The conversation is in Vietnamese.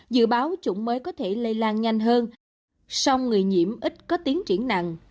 dự báo chủng mới có thể lây lan nhanh hơn song người nhiễm ít có tiến triển nặng